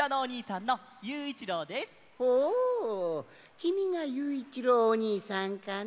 きみがゆういちろうおにいさんかね！